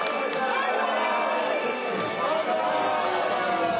万歳！